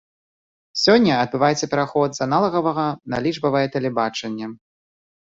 Сёння адбываецца пераход з аналагавага на лічбавае тэлебачанне.